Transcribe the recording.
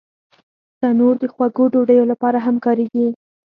تنور د خوږو ډوډیو لپاره هم کارېږي